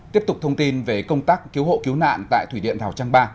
tiếp tục thông tin về công tác cứu hộ cứu nạn tại thủy điện rào trang ba